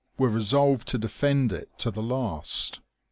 were resolved to defend it to the last.